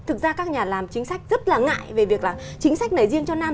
thực ra các nhà làm chính sách rất là ngại về việc là chính sách này riêng cho nam